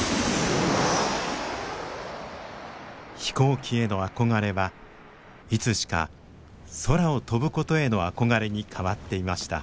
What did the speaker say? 飛行機への憧れはいつしか空を飛ぶことへの憧れに変わっていました。